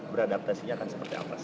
beradaptasi akan seperti apa